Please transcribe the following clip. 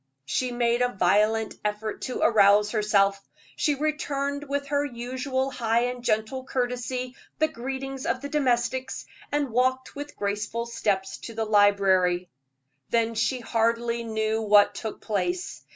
She made a violent effort to arouse herself. She returned with her usual high and gentle courtesy the greetings of the domestics, and walked with graceful steps to the library; then she hardly knew what took place.